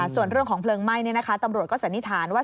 ส่วนเรื่องของเพลิงไหม้ตำรวจก็สันนิษฐานว่า